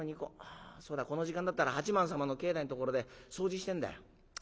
あそうだこの時間だったら八幡様の境内のところで掃除してんだよ。